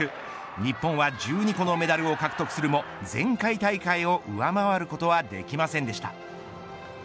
日本は１２個のメダルを獲得するも前回大会を上回ることはできませんでした。